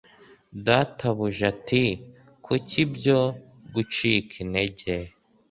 databuja ati Kuki ibyo gucika intege